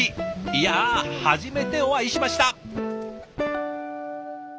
いや初めてお会いしました。